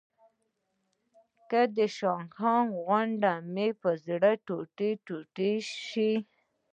که د شانه غوندې مې زړه ټوټې ټوټې شو.